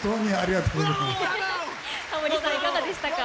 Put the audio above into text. タモリさん、いかがでしたか？